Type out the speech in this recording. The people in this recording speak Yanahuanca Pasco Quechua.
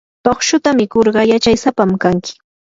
tukshuta mikurqa yachaysapam kanki.